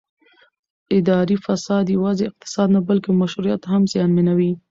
اداري فساد یوازې اقتصاد نه بلکې مشروعیت هم زیانمنوي